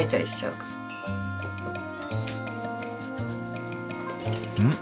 うん？